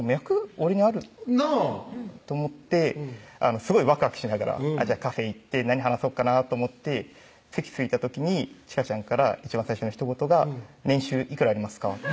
俺にあると思ってすごいワクワクしながらカフェ行って何話そっかなと思って席着いた時にちかちゃんから一番最初のひと言が「年収いくらありますか？